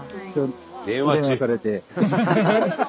電話されて。